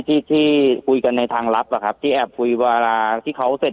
ที่ที่คุยกันในทางลับอะครับที่แอบคุยเวลาที่เขาเสร็จ